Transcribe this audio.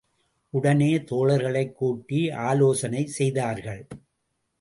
உடனே, தோழர்களைக் கூட்டி, ஆலோசனை செய்தார்கள்.